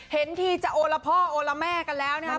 เห็นทีจะโอละพ่อโอละแม่กันแล้วนะครับ